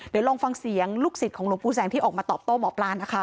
เดี๋ยวลองฟังเสียงลูกศิษย์ของหลวงปู่แสงที่ออกมาตอบโต้หมอปลานะคะ